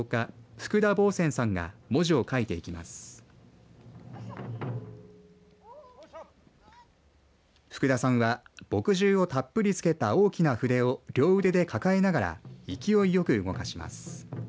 福田さんは墨汁をたっぷりつけた大きな筆を両腕で抱えながら勢いよく動かします。